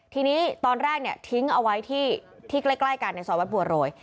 ทีนี้ตอนแรกเนี่ยทิ้งเอาไว้ที่ที่ใกล้ใกล้กันในซอยวัดบัวโรย